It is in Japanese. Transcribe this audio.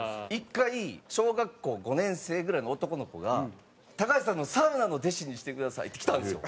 １回小学校５年生ぐらいの男の子が「高橋さんのサウナの弟子にしてください」って来たんですよ。